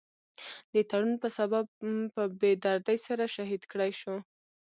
د تړون پۀ سبب پۀ بي دردۍ سره شهيد کړے شو ۔